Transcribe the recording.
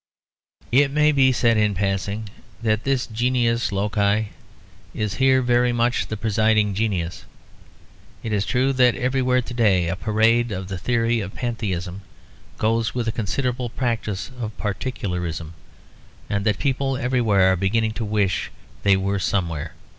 It may be said in passing that this genius loci is here very much the presiding genius. It is true that everywhere to day a parade of the theory of pantheism goes with a considerable practice of particularism; and that people everywhere are beginning to wish they were somewhere.